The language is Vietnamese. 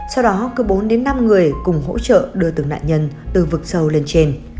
sau đó cứ bốn đến năm người cùng hỗ trợ đưa từng nạn nhân từ vực sâu lên trên